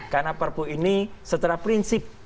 karena perpu ini seterah prinsip